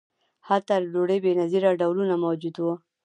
هلته د ډوډۍ بې نظیره ډولونه موجود وو.